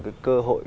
cái cơ hội